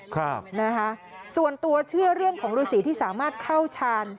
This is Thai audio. ครับนะคะส่วนตัวเชื่อเรื่องของฤษีที่สามารถเข้าชาญ